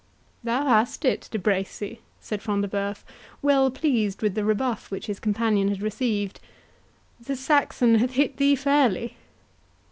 "Thou hast it, De Bracy," said Front de Bœuf, well pleased with the rebuff which his companion had received; "the Saxon hath hit thee fairly."